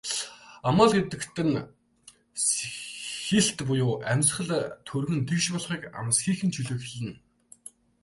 Амал гэдэг нь сэгхийлт буюу амьсгал түргэн тэгш болохыг, амсхийхийн чөлөөг хэлнэ.